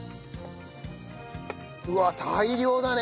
うわあ大量だね！